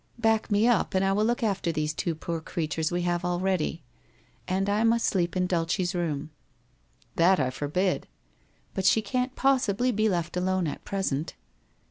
Back me up and I will look after these two poor creatures we have already. And 1 must sleep in Dulce's room.' ' That I forbid.' ' But she can't possibly be left alone at present.'